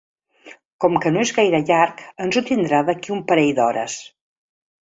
Com que no és gaire llarg ens ho tindrà d'aquí un parell d'hores.